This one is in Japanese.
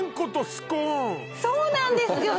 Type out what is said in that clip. そうなんです